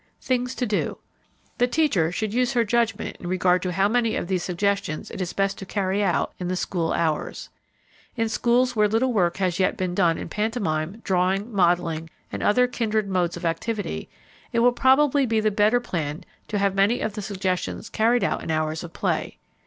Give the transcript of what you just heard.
Things to Do. The teacher should use her judgment in regard to how many of these suggestions it is best to carry out in the school hours. In schools where little work has yet been done in pantomime, drawing, modeling, and other kindred modes of activity, it will probably be the better plan to have many of the suggestions carried out in hours of play.